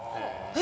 え？